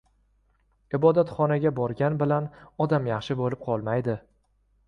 • Ibodatxonaga borgan bilan odam yaxshi bo‘lib qolmaydi.